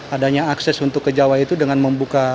adanya akses untuk ke jawa itu dengan membuka